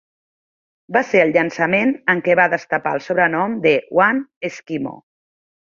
Va ser el llançament en què va destapar el sobrenom de "One eskimO".